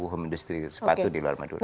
home industri sepatu di luar madura